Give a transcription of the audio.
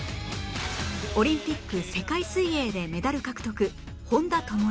オリンピック世界水泳でメダル獲得本多灯